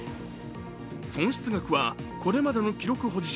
損失額は、これまでの記録保持者